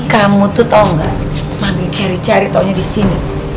kamu tuh tau gak mami cari cari taunya disini